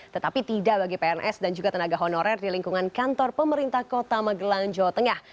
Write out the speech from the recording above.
tetapi tidak bagi pns dan juga tenaga honorer di lingkungan kantor pemerintah kota magelang jawa tengah